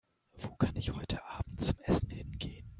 Wo kann ich heute Abend zum Essen hingehen?